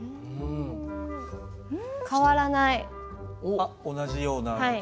あっ同じような動き？